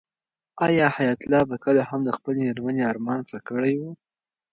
آیا حیات الله به کله هم د خپلې مېرمنې ارمان پوره کړی وي؟